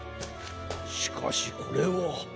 しかしこれは。